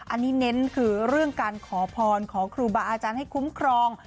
อันนี้เน้นคือเรื่องการขอพรขอครูบาอาจารย์ให้คุ้มครอง